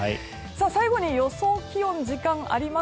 最後に予想気温、時間。